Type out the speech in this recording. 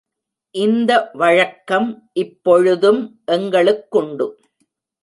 இந்த வழக்கம் இப்பொழுதும் எங்களுக்குண்டு.